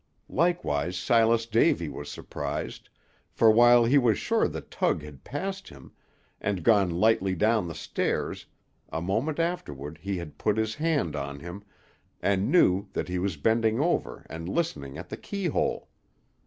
Likewise Silas Davy was surprised, for while he was sure that Tug had passed him, and gone lightly down the stairs, a moment afterward he put his hand on him, and knew that he was bending over, and listening at the keyhole.